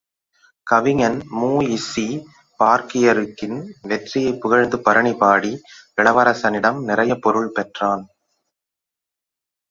கவிஞன் மூ இஸ்ஸி பார்க்கியருக்கின் வெற்றியைப் புகழ்ந்து பரணிபாடி, இளவரசனிடம் நிறையப் பொருள் பெற்றான்.